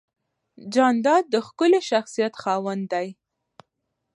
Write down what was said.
جانداد د ښکلي شخصیت خاوند دی.